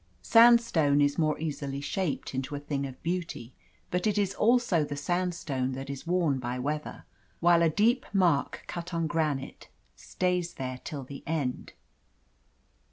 Sandstone is more easily shaped into a thing of beauty, but it is also the sandstone that is worn by weather, while a deep mark cut on granite stays there till the end.